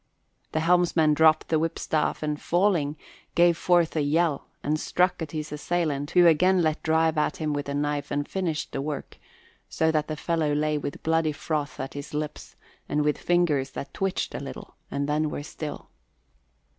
The helmsman dropped the whipstaff and, falling, gave forth a yell and struck at his assailant, who again let drive at him with the knife and finished the work, so that the fellow lay with bloody froth at his lips and with fingers that twitched a little and then were still.